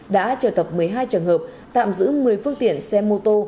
đã trở tập một mươi hai trường hợp tạm giữ một mươi phương tiện xe mô tô